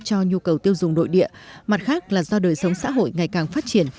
cho nhu cầu tiêu dùng nội địa mặt khác là do đời sống xã hội ngày càng phát triển